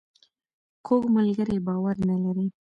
کوږ ملګری باور نه لري